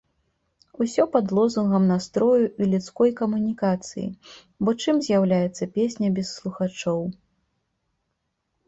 Усё пад лозунгам настрою і людской камунікацыі, бо чым з'яўляецца песня без слухачоў.